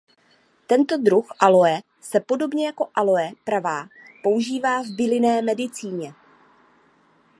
Tento druh aloe se podobně jako aloe pravá používá v bylinné medicíně.